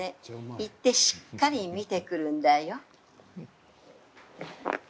行って、しっかり見てくるんだよ。